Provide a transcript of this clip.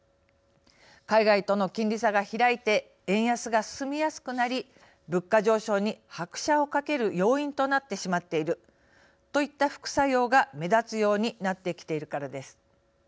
海外との金利差が開いて円安が進みやすくなり物価上昇に拍車をかける要因となってしまっているといった副作用が目立つようになってきているからです。